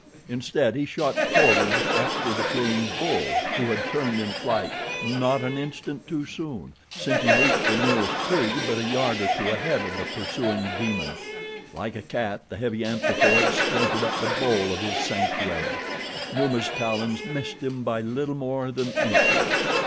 Instead he shot forward after the fleeing bull, who had turned in flight not an instant too soon, since he reached the nearest tree but a yard or two ahead of the pursuing demon. Like a cat the heavy anthropoid scampered up the bole of his sanctuary. Numa's talons missed him by little more than inches.